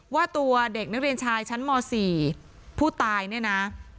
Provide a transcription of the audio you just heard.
ว่าตัวเด็กนักเรียนชายชั้นม๔ผู้ตายเนี่ยนะ